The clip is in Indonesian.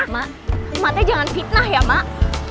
mak umatnya jangan fitnah ya mak